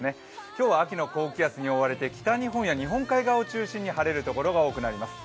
今日は秋の高気圧に覆われて北日本や日本海側を中心に晴れるところが多そうです。